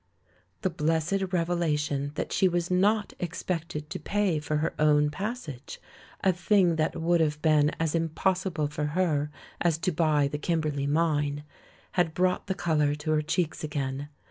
The blessed revelation that she was not ex pected to pay for her own passage — a thing that would have been as impossible for her as to buy the Kimberley Mine — had brought the colour to her cheeks again.